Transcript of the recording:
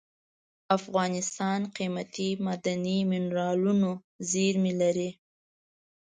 افغانستان قیمتي معدني منرالونو زیرمې لري.